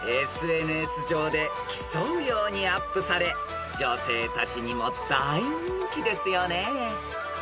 ［ＳＮＳ上で競うようにアップされ女性たちにも大人気ですよね］